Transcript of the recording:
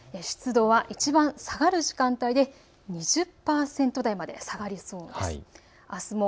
湿度はいちばん下がる時間帯で２０％台まで下がりそうです。